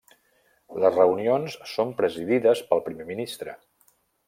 Les reunions són presidides pel Primer Ministre.